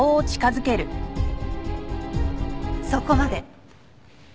そこまで。